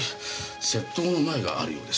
窃盗のマエがあるようですな。